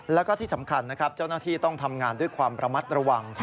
แล้วก็ที่สำคัญนะครับเจ้าหน้าที่ต้องทำงานด้วยความระมัดระวัง